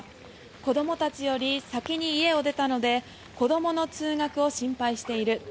子どもたちより先に家を出たので子どもの通学を心配している。